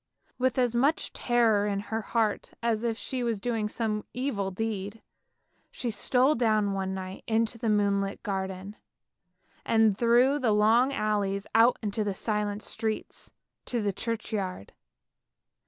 " With as much terror in her heart, as if she were doing some evil deed, she stole down one night into the moonlit garden, and through the long alleys out into the silent streets to the churchyard.